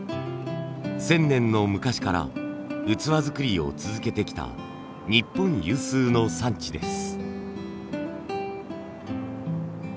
１，０００年の昔から器作りを続けてきた日本有数の産地です。